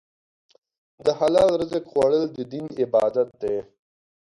د حلال رزق خوړل د دین عبادت دی.